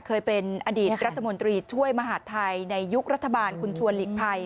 เคยเป็นอดีตรัฐมนตรีช่วยมหาดไทยในยุครัฐบาลคุณชวนหลีกภัย